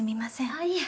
あっいえ。